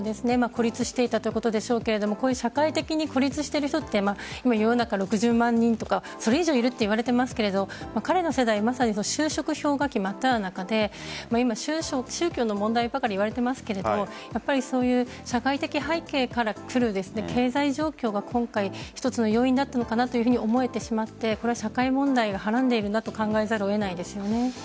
孤立していたということでしょうけれども社会的に孤立している人って世の中、６０万人とかそれ以上いるといわれていますが彼の世代はまさに就職氷河期まっただ中で今、宗教の問題ばかりいわれていますが社会的背景からくる経済状況が今回一つの要因だったのかなと思えてしまって社会問題がはらんでいるなと考えざるを得ないです。